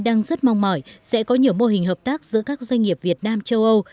đang rất mong mỏi sẽ có nhiều mô hình hợp tác giữa các doanh nghiệp việt nam châu âu